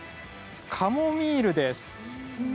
カモミールです。